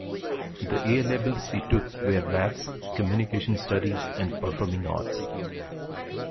The A levels she took were Maths, communication studies and Performing arts.